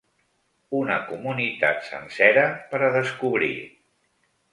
Una comunitat sencera per a descobrir!